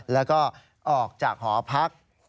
แล้วก็ออกจากหอพัก